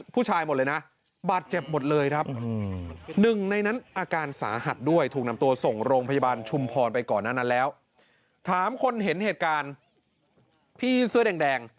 ผู้ชายหมดเลยนะบาดเจ็บหมดเลยครับอือ